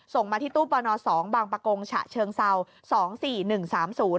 ส่งมาที่ตู้ปนสองบางประกงฉะเชิงเศร้าสองสี่หนึ่งสามศูนย์